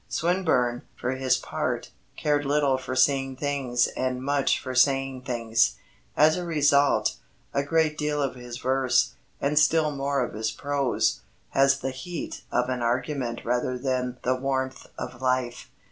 Swinburne, for his part, cared little for seeing things and much for saying things. As a result, a great deal of his verse and still more of his prose has the heat of an argument rather than the warmth of life.